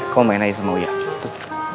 kau main aja sama ya gitu